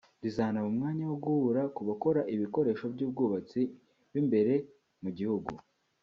rizanaba umwanya wo guhura ku bakora ibikoresho by’ubwubatsi b’imbere mu gihugu